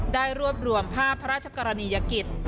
ได้รวบรวมภาพพระราชกรณียกิจ